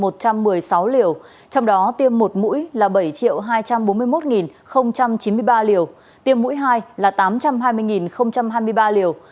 trong đó tiêm một mũi là bảy hai trăm bốn mươi một chín mươi ba liều tiêm mũi hai là tám trăm hai mươi hai mươi ba liều